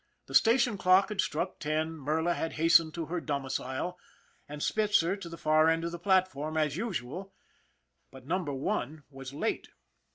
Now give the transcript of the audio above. The station clock had struck ten, Merla had hastened to her domicile, and Spitzer to the far end of the platform as usual, but Number One was late.